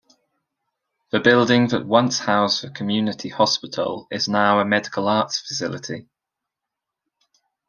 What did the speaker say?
The building that once housed the community hospital is now a medical arts facility.